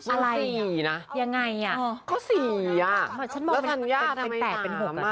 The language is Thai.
อะไรยังไงอ่ะเขาสี่อ่ะเหมือนฉันมองมันเป็นแปดเป็นหกอ่ะ